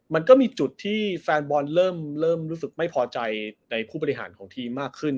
มันก็มีจุดที่แฟนบอลเริ่มรู้สึกไม่พอใจในผู้บริหารของทีมมากขึ้น